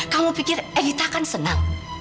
kamu pikir edita kan senang